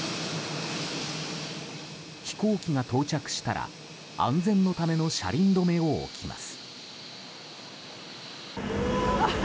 飛行機が到着したら安全のための車輪止めを置きます。